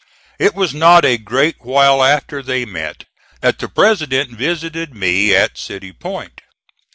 It was not a great while after they met that the President visited me at City Point.